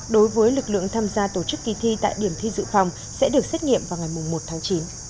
đối với lực lượng tham gia tổ chức kỳ thi tại điểm thi dự phòng sẽ được xét nghiệm vào ngày một tháng chín